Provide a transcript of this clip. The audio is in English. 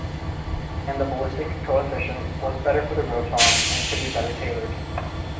And the ballistic coefficient was better for the Roton and could be better tailored.